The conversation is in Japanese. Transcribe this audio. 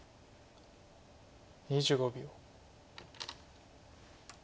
２５秒。